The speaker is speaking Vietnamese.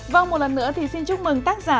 vâng một lần nữa thì xin chúc mừng tác giả